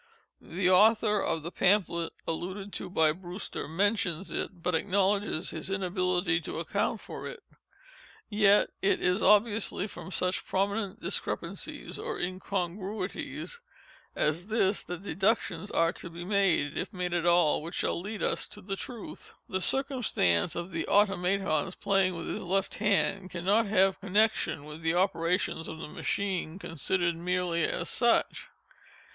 The author of the pamphlet alluded to by Brewster, mentions it, but acknowledges his inability to account for it. Yet it is obviously from such prominent discrepancies or incongruities as this that deductions are to be made (if made at all) which shall lead us to the truth. The circumstance of the Automaton's playing with his left hand cannot have connexion with the operations of the machine, considered merely as such.